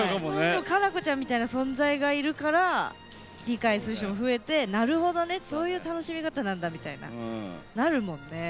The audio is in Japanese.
奏子ちゃんみたいな存在がいるから理解する人も増えて、なるほどねそういう楽しみ方なんだみたいななるもんね。